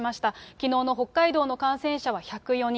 きのうの北海道の感染者は１０４人。